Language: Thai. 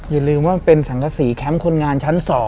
อย่าลืมว่าเป็นสังกษีแคมป์คนงานชั้น๒